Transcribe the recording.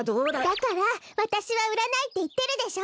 だからわたしはうらないっていってるでしょ！